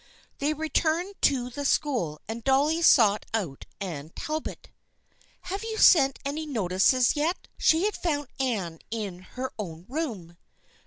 They returned to the school and Dolly sought out Anne Talbot. " Have you sent any notices yet?" she asked. She had found Anne in their own room.